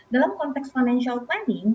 dalam konteks financial planning